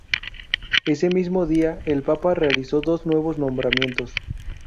Ese mismo día el Papa realizó dos nuevos nombramientos.